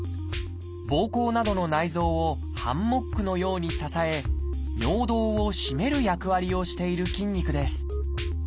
ぼうこうなどの内臓をハンモックのように支え尿道を締める役割をしている筋肉です。